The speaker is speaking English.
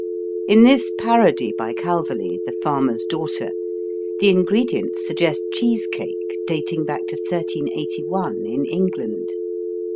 In this parody by Calverly, "The Farmer's Daughter," the ingredients suggest cheese cake, dating back to 1381 In England.